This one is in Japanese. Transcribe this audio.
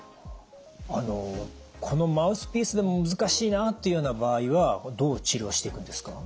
あのこのマウスピースでも難しいなっていうような場合はどう治療していくんですか？